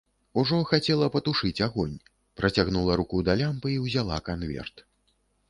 Ужо хацела патушыць агонь, працягнула руку да лямпы і ўзяла канверт.